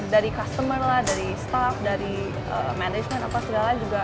dari customer lah dari staff dari manajemen apa segala juga